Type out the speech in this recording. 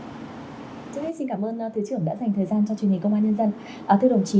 trước hết xin cảm ơn thứ trưởng đã dành thời gian cho truyền hình công an nhân dân